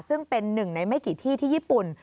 ซึ่งเป็นหนึ่งในไม่กี่ที่ที่ญี่ปุ่น